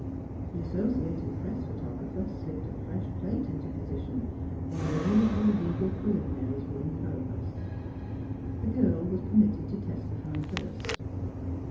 The associated press photographer slipped a fresh plate into position, while the usual legal pre liminaries were in progress. ... The girl was permitted to testify first.